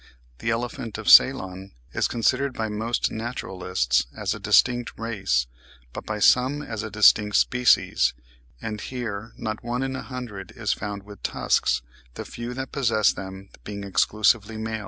The elephant of Ceylon is considered by most naturalists as a distinct race, but by some as a distinct species, and here "not one in a hundred is found with tusks, the few that possess them being exclusively males."